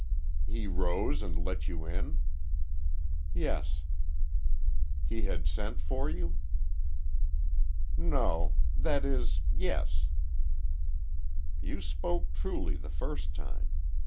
"He rose and let you in?" "Yes." "He had sent for you?" "No—that is, yes." "You spoke truly the first time.